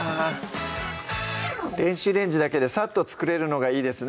電子レンジだけでさっと作れるのがいいですね